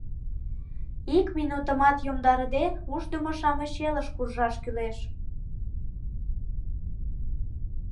— Ик минутымат йомдарыде, Ушдымо-шамыч Элыш куржаш кӱлеш!